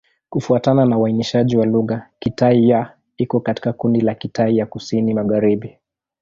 Kufuatana na uainishaji wa lugha, Kitai-Ya iko katika kundi la Kitai ya Kusini-Magharibi.